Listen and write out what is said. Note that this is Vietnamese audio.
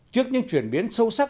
trước những chuyển biến sâu sắc